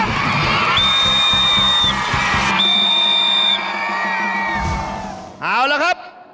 เอาละครับ